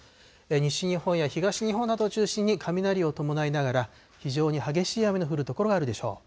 西日本や東日本などを中心に、雷を伴いながら、非常に激しい雨の降る所があるでしょう。